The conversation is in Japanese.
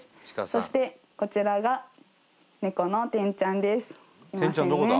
そしてこちらがネコのてんちゃんですいませんね